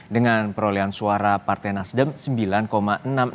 dengan perolehan suara partai nasdem sembilan enam puluh enam